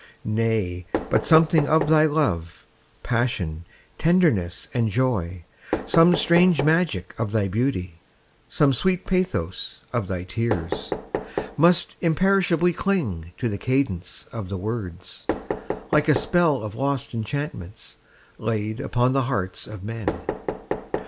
20 Nay, but something of thy love, Passion, tenderness, and joy, Some strange magic of thy beauty, Some sweet pathos of thy tears, Must imperishably cling 25 To the cadence of the words, Like a spell of lost enchantments Laid upon the hearts of men.